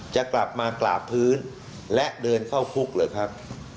จะกลับมากราบพื้นและเดินเข้าคุกหรือครับ